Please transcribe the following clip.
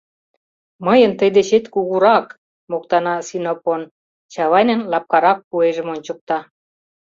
— Мыйын тый дечет кугурак! — моктана Синопон, Чавайнын лапкарак куэжым ончыкта.